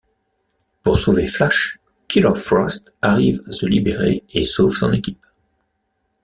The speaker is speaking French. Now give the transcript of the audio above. Pour sauver Flash, Killer Frost arrive a se libérer et sauve son équipe.